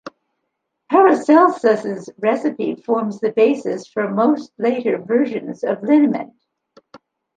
Paracelsus's recipe forms the basis for most later versions of liniment.